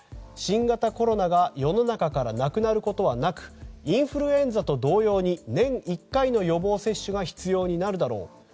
新型コロナが世の中からなくなることはなくインフルエンザと同様に年１回の予防接種が必要になるだろう。